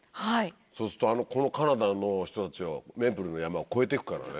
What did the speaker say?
そうするとこのカナダの人たちをメープルの山を超えていくからね。